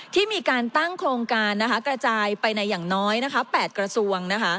ที่มีการตั้งโครงการกระจายไปในอย่างน้อย๘กระทรวง